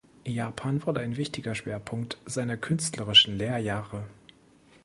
Japan wurde ein wichtiger Schwerpunkt seiner "künstlerischen Lehrjahre".